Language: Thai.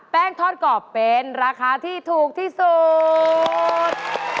ทอดกรอบเป็นราคาที่ถูกที่สุด